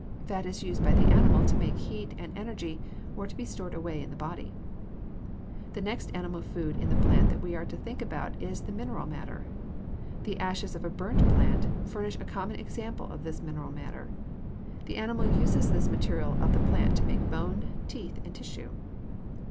Fat is used by the animal to make heat and energy or to be stored away in the body. The next animal food in the plant that we are to think about is the mineral matter. The ashes of a burnt plant furnish a common example of this mineral matter. The animal uses this material of the plant to make bone, teeth, and tissue.